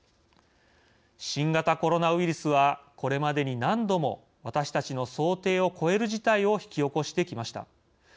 新型コロナウイルスはこれまでに何度も私たちの想定を超える事態を引き起こしてきました。